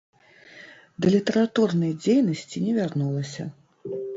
Да літаратурнай дзейнасці не вярнулася.